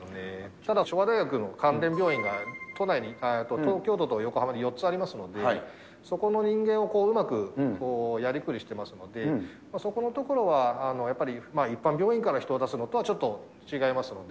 ただ、昭和大学の関連病院が都内に、東京都と横浜に４つありますので、そこの人間をうまくやりくりしてますので、そこのところは、やっぱり一般病院から人を出すのとは、ちょっと違いますので。